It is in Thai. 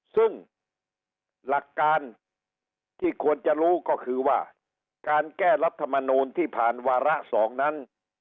ซึ่งหลักการที่ควรจะรู้ก็คือว่าการแก้รัฐมนูลที่ผ่านวาระ๒นั้น